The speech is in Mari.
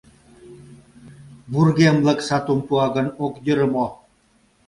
Вургемлык сатум пуа гын, ок йӧрӧ мо?